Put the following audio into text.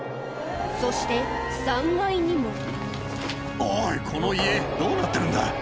そして３階にもおいこの家どうなってるんだ？